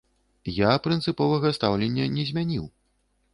Я прынцыповага стаўлення не змяніў.